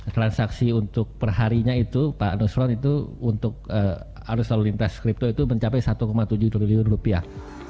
transaksi untuk perharinya itu pak nusron itu untuk arus lalu lintas kripto itu mencapai satu tujuh triliun rupiah